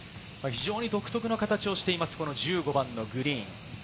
非常に独特な形をしています、１５番のグリーン。